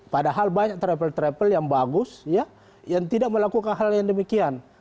padahal banyak travel travel yang bagus yang tidak melakukan hal yang demikian